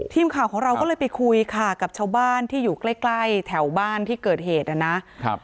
ทีมข่าวของเราก็เลยไปคุยค่ะกับชาวบ้านที่อยู่ใกล้ใกล้แถวบ้านที่เกิดเหตุนะครับ